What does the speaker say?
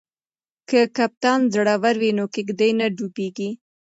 که کپتان زړور وي نو کښتۍ نه ډوبیږي.